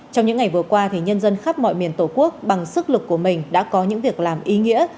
trong những ngày vừa qua nhân dân khắp mọi miền tổ quốc bằng sức lực của mình đã có những việc làm ý nghĩa